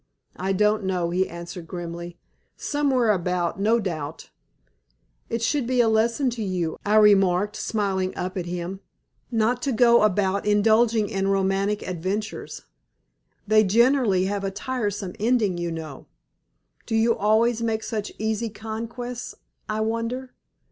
"I don't know," he answered, grimly. "Somewhere about, no doubt." "It should be a lesson to you," I remarked, smiling up at him, "not to go about indulging in romantic adventures. They generally have a tiresome ending, you know. Do you always make such easy conquests, I wonder?"